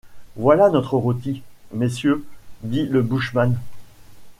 Voilà notre rôti, messieurs, dit le bushman.